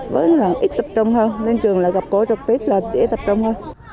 với lần ít tập trung hơn lên trường là gặp cô trọc tiếp là chỉ ít tập trung hơn